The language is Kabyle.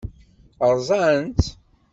Ṛṛẓan-tt?